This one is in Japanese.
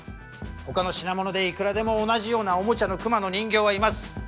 ほかの品物でいくらでも同じようなおもちゃの熊の人形はいます。